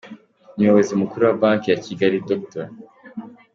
Umuyobozi mukuru wa Banki ya Kigali Dr.